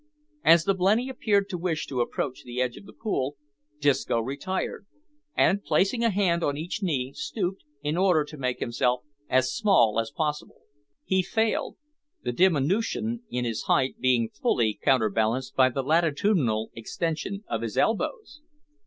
As the blenny appeared to wish to approach the edge of the pool, Disco retired, and, placing a hand on each knee, stooped, in order to make himself as small as possible. He failed, the diminution in his height being fully counterbalanced by the latitudinal extension of his elbows!